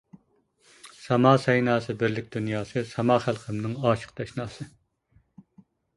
ساما سەيناسى، بىرلىك دۇنياسى ساما خەلقىمنىڭ ئاشىق، تەشناسى.